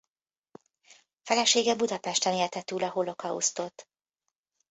Felesége Budapesten élte túl a holokausztot.